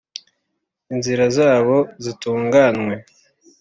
inzira zabo zitunganywe